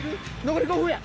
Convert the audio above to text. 残り５分や。